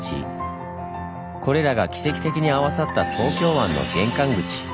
これらが奇跡的に合わさった東京湾の玄関口。